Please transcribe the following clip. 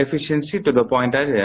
efisiensi itu dua poin tadi ya